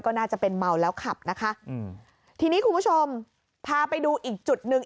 ก็น่าจะเป็นมัวแล้วครับทีนี้คุณผู้ชมท้าไปดูอีกจุดนึง